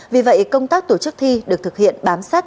vì vậy công tác tổ chức thi được thực hiện bám sát